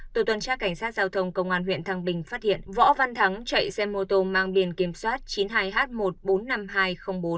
tổ tuần tra cảnh sát giao thông công an huyện thăng bình phát hiện võ văn thắng chạy xe mô tô mang biển kiểm soát chín mươi hai h một trăm bốn mươi năm nghìn hai trăm linh bốn